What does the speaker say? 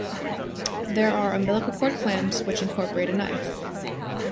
There are umbilical cord clamps which incorporate a knife.